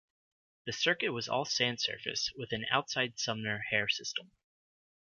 The circuit was all sand surface with an 'Outside Sumner' hare system.